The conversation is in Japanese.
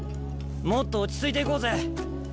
もっと落ち着いていこうぜ。